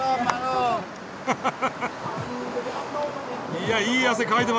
いやいい汗かいてますね。